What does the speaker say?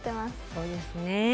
そうですね。